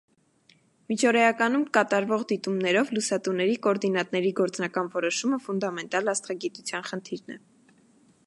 Միջօրեականում կատարվող դիտումներով լուսատուների կոորդինատների գործնական որոշումը ֆունդամենտալ աստղագիտության խնդիրն է։